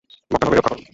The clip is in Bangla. মক্কা নগরী রক্ষা কর।